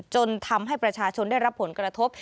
จนทำให้ประชาชนได้รับผลกระทบ